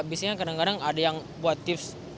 biasanya kadang kadang ada yang buat tips